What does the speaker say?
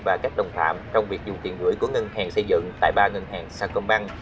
và các đồng phạm trong việc dùng tiền gửi của ngân hàng xây dựng tại ba ngân hàng sa công băng